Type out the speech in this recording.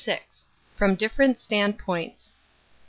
FROM DIFFERENT STAISTDPOINTS.